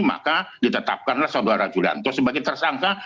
maka ditetapkanlah saudara julianto sebagai tersangka